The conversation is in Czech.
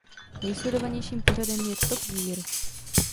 Nejsledovanějším pořadem je Top Gear.